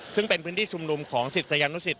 ซึ่งเป็นพื้นที่ชุมนุมของศิษยานุสิต